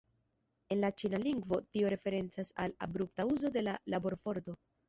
En la Ĉina lingvo, tio referencas al abrupta uzo de la laborforto.